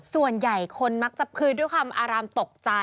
ส่วนใหญ่คนมักจะคืนด้วยความอารามตกใจ